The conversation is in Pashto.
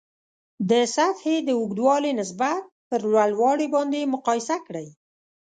د سطحې د اوږدوالي نسبت پر لوړوالي باندې مقایسه کړئ.